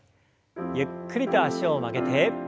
ゆっくりと脚を曲げて。